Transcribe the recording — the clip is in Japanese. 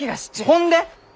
ほんで！？